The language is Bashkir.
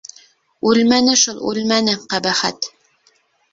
Үлмәне шул, үлмәне, ҡәбәхәт!